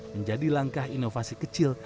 menjadi langkah inovasi kecil